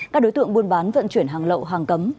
các đối tượng buôn bán vận chuyển hàng lậu hàng cấm